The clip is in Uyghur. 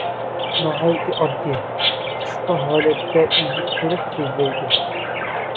ناھايىتى ئاددىي، قىسقا ھالەتتە، ئۈزۈپ تۇرۇپ سۆزلەيدۇ.